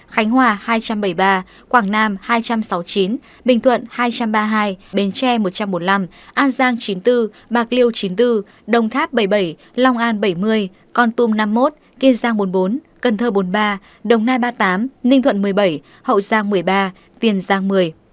khánh hòa hai trăm bảy mươi ba quảng nam hai trăm sáu mươi chín bình thuận hai trăm ba mươi hai bến tre một trăm một mươi năm an giang chín mươi bốn bạc liêu chín mươi bốn đồng tháp bảy mươi bảy long an bảy mươi con tum năm mươi một kiên giang bốn mươi bốn cần thơ bốn mươi ba đồng nai ba mươi tám ninh thuận một mươi bảy hậu giang một mươi ba tiền giang một mươi